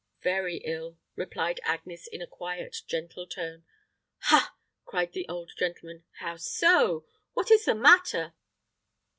"Very ill," replied Agnes, in a quiet, gentle tone. "Ha!" cried the old gentleman. "How so? What is the matter?"